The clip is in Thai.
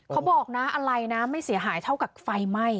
เขาบอกนะอะไรนะไม่เสียหายเท่ากับไฟไหม้